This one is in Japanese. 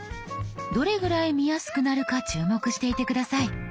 どれぐらい見やすくなるか注目していて下さい。